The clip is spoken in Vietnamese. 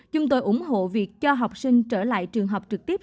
chúng tôi ủng hộ việc cho học sinh trở lại trường học trực tiếp